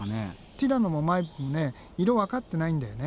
ティラノもマイプもね色わかってないんだよね。